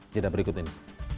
jadah berikut ini